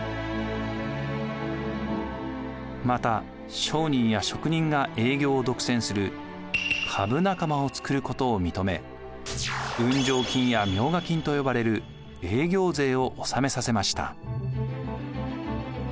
また商人や職人が営業を独占する株仲間を作ることを認め運上金や冥加金と呼ばれる営業税を納めさせました。